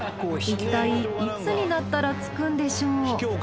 いったいいつになったら着くんでしょう？